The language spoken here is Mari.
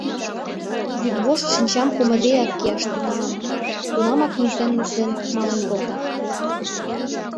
Йӱдвошт шинчам кумыдеак кияш тӱҥалам... — тунамак нюслен-нюслен мален колта.